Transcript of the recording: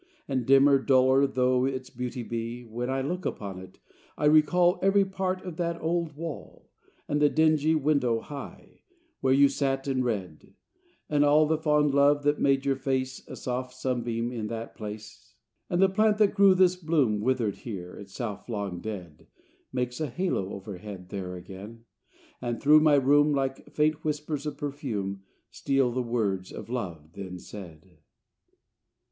And dimmer, duller Though its beauty be, when I Look upon it, I recall Every part of that old wall; And the dingy window high, Where you sat and read; and all The fond love that made your face A soft sunbeam in that place: And the plant that grew this bloom Withered here, itself long dead, Makes a halo overhead There again and through my room, Like faint whispers of perfume, Steal the words of love then said.